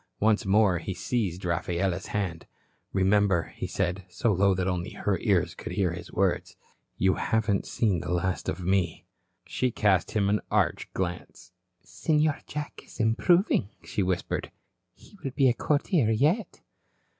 Once more he seized Rafaela's hand. "Remember," he said, so low that only her ears could hear his words, "you haven't seen the last of me." She cast him an arch glance. "Senor Jack is improving," she whispered. "He will be a courtier yet."